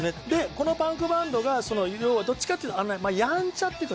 このパンクバンドが要はどっちかっていうとやんちゃっていうか